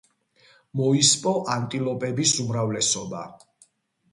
მოისპო ანტილოპების უმრავლესობა.